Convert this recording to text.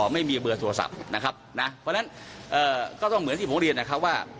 ไม่มีเบอร์โทรศัพท์นะครับนะเพราะฉะนั้นก็ต้องเหมือนที่ผมเรียนนะครับว่า